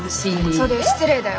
そうだよ失礼だよ。